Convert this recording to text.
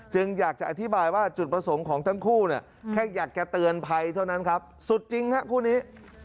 อยากจะอธิบายว่าจุดประสงค์ของทั้งคู่เนี่ยแค่อยากจะเตือนภัยเท่านั้นครับสุดจริงฮะคู่นี้